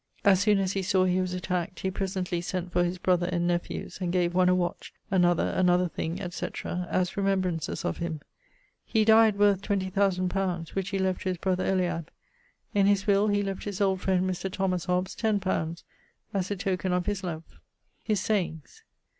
As soone as he sawe he was attaqued, he presently sent for his brother, and nephews, and gave one a watch, another another thing, etc., as remembrances of him. He dyed worth 20,000 li. which he left to his brother Eliab. In his will he left his old friend Mr. Thomas Hobbes 10 li. as a token of his love. _His sayings.